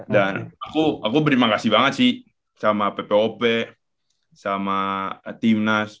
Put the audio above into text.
dan aku berterima kasih banget sih sama ppop sama tim nas